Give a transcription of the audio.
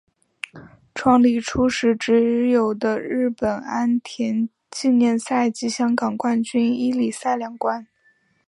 创立初时只有的日本安田纪念赛及香港冠军一哩赛两关。